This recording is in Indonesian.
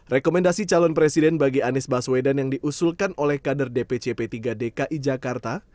rekomendasi calon presiden bagi anies baswedan yang diusulkan oleh kader dpc p tiga dki jakarta